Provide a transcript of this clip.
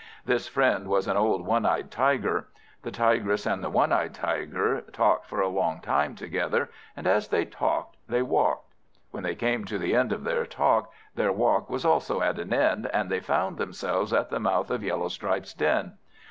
This friend was an old one eyed Tiger. The Tigress and the one eyed Tiger talked for a long time together, and as they talked they walked. When they came to the end of their talk, their walk was also at an end, and they found themselves at the mouth of Yellowstripe's den.